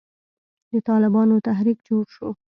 د طالبانو تحريک جوړ سو.